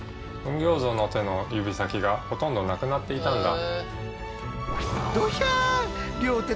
吽形像の手の指先がほとんどなくなっていたんだ。